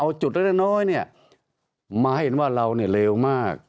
เอาจุดหน่อยมาให้เป็นว่าเรามันเลวมาก